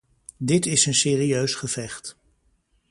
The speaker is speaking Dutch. Dit is een serieus gevecht.